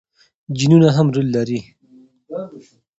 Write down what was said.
جینونه هم رول لري.